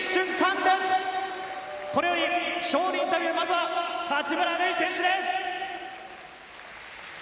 これより勝利インタビュー、まずは八村塁選手です。